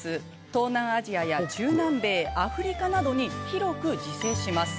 東南アジアや中南米アフリカなどに広く自生します。